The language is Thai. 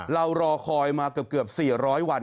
รอคอยมาเกือบ๔๐๐วัน